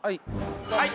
はい。